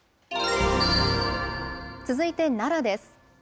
続いて奈良です。